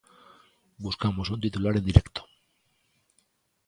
Buscamos un titular en directo.